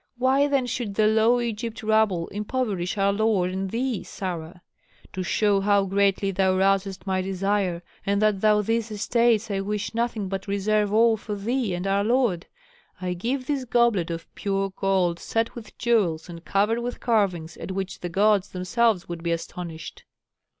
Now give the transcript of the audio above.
Why then should the low Egyptian rabble impoverish our lord and thee, Sarah? To show how greatly thou rousest my desire and that from these estates I wish nothing but reserve all for thee and our lord, I give this goblet of pure gold set with jewels and covered with carving at which the gods themselves would be astonished."